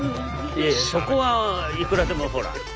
いやいやそこはいくらでもほら。